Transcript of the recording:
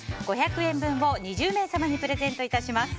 ５００円分を２０名様にプレゼントいたします。